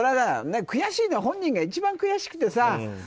悔しいのは本人が一番悔しくてさ。